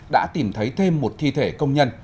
đã tìm thấy thêm một thi thể công nhân